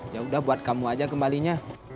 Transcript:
ya udah buat kamu aja kembalinya